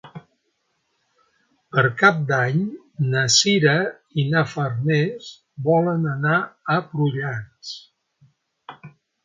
Per Cap d'Any na Sira i na Farners volen anar a Prullans.